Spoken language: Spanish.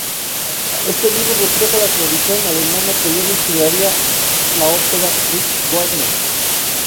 Este libro refleja la tradición alemana que luego inspiraría la ópera de Richard Wagner.